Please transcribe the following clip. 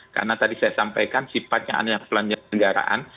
karena tadi saya sampaikan sifatnya anggota penyelenggaraan